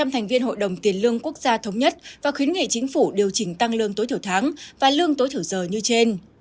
một trăm linh thành viên hội đồng tiền lương quốc gia thống nhất và khuyến nghị chính phủ điều chỉnh tăng lương tối thiểu tháng và lương tối thử giờ như trên